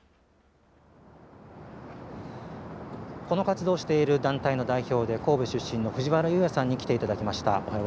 この活動をしている団体の代表で、神戸出身の藤原祐弥さんに来ていただきました。